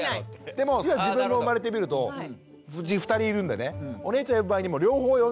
でも自分も生まれてみるとうち２人いるんでねお姉ちゃん呼ぶ場合にも両方呼んじゃって。